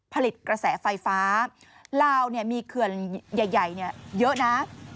ผลิตกระแสไฟฟ้าลาวมีเขื่อนใหญ่เยอะนะ